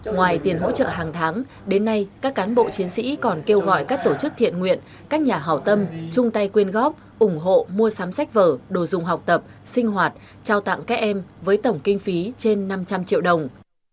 ngoài tiền hỗ trợ hàng tháng đến nay các cán bộ chiến sĩ còn kêu gọi các tổ chức thiện nguyện các nhà hào tâm chung tay quyên góp ủng hộ mua sắm sách vở đồ dùng học tập sinh hoạt trao tặng các em với tổng kinh phí trên năm trăm linh triệu đồng